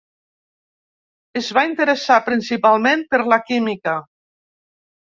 Es va interessar principalment per la química.